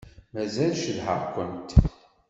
Mazal cedhaɣ-kent.